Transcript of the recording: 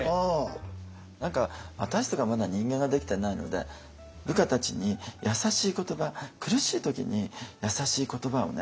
何か私とかまだ人間ができてないので部下たちに優しい言葉苦しい時に優しい言葉をね